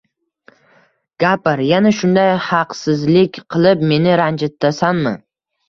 Gapir, yana shunday haqsizlik qilib, meni ranjitasanmi?